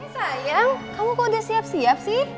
sayang kamu kok udah siap siap sih